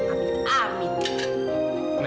sebenernya anjing postres kamu